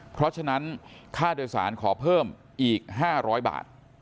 เพราะฉะนั้นค่าโดยสารขอเพิ่มอีก๕๐๐บาท